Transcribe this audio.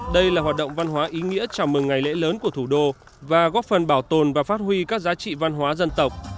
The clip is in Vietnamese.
đây là hoạt động văn hóa ý nghĩa chào mừng ngày lễ lớn của thủ đô và góp phần bảo tồn và phát huy các giá trị văn hóa dân tộc